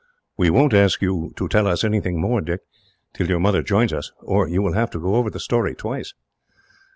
"We won't ask you to tell us anything more, Dick, till your mother joins us, or you will have to go over the story twice."